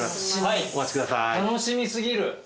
楽しみ過ぎる。